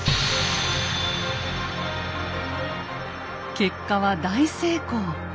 結果は大成功。